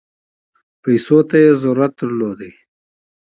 پیسو ته ضرورت درلود.